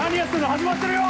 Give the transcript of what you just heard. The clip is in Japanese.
始まってるよ！